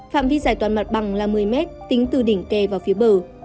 phạm vi giải toàn mặt bằng là một mươi m tính từ đỉnh kè vào phía bờ